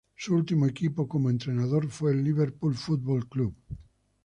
Su último equipo como entrenador fue el Liverpool Football Club.